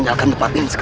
sya allah let's go